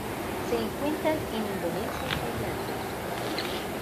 Se encuentran en Indonesia y Tailandia.